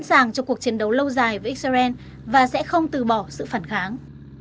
sẵn sàng cho cuộc chiến đấu lâu dài với israel và sẽ không từ bỏ sự phản kháng